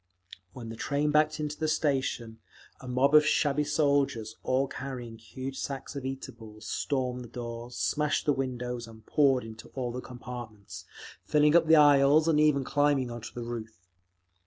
When the train backed into the station, a mob of shabby soldiers, all carrying huge sacks of eatables, stormed the doors, smashed the windows, and poured into all the compartments, filling up the aisles and even climbing onto the roof.